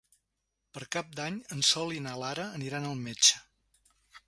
Per Cap d'Any en Sol i na Lara aniran al metge.